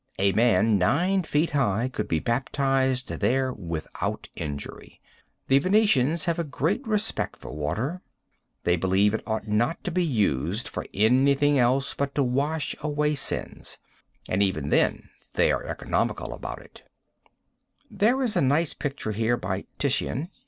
A man nine feet high could be baptized there without injury. The Venetians have a great respect for water. They believe it ought not to be used for anything else but to wash away sins, and even then they are very economical about it. There is a nice picture here by Titian.